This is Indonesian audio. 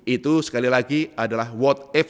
itu sekali lagi adalah what if